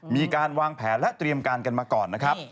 มีการวางแผนและเตรียมการกันมาก่อนนะครับ